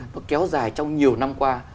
nó kéo dài trong nhiều năm qua